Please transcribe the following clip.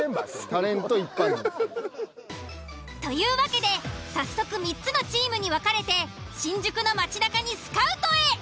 タレント一般人。というわけで早速３つのチームに分かれて新宿の街なかにスカウトへ。